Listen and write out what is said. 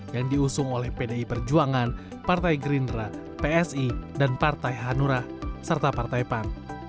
yang diusung oleh pdi perjuangan partai gerindra psi dan partai hanura serta partai pan